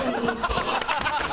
ハハハハ！